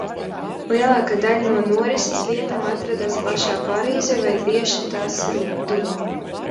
Lielākā daļa no norises vietām atradās pašā Parīzē vai tiešā tās tuvumā.